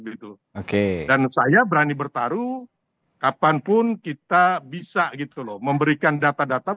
gitu oke dan saya berani bertaruh kapanpun kita bisa gitu loh memberikan data data